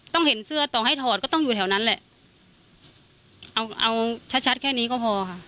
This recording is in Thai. เห็นเสื้อต่อให้ถอดก็ต้องอยู่แถวนั้นแหละเอาเอาชัดชัดแค่นี้ก็พอค่ะ